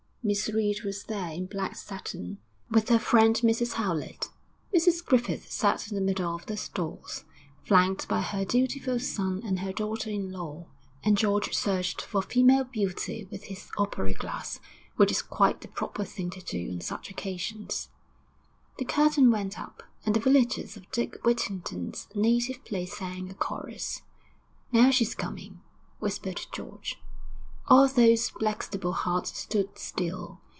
Miss Reed was there in black satin, with her friend Mrs Howlett; Mrs Griffith sat in the middle of the stalls, flanked by her dutiful son and her daughter in law; and George searched for female beauty with his opera glass, which is quite the proper thing to do on such occasions.... The curtain went up, and the villagers of Dick Whittington's native place sang a chorus. 'Now she's coming,' whispered George. All those Blackstable hearts stood still.